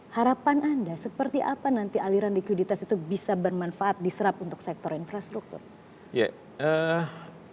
harapan anda seperti apa nanti aliran likuiditas itu bisa bermanfaat diserap untuk sektor infrastruktur